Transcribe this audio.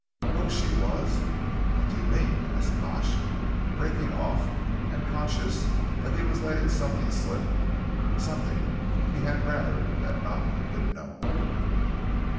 "Oh, she was What do you mean?" asked Pash, breaking off, and conscious that he was letting slip something he had rather had not been known.